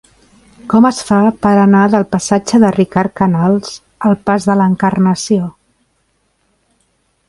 Com es fa per anar del passatge de Ricard Canals al pas de l'Encarnació?